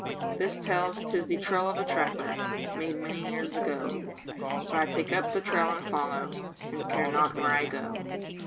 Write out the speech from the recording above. This tells 'tis the trail of a trapper Made many years ago, So I take up the trail and follow, And I care not where I go.